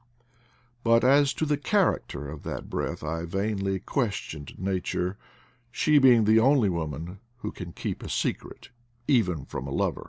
But as to the character of that breath I vainly questioned Nature, — she being the only woman who can keep a secret, even from a lover.